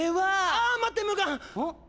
あ待ってムガン！